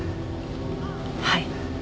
はい。